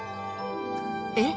えっ？